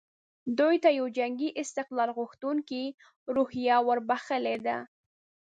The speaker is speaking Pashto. دوی ته یوه جنګي استقلال غوښتونکې روحیه وربخښلې ده.